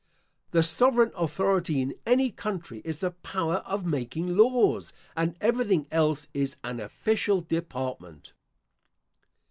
The sovereign authority in any country is the power of making laws, and everything else is an official department.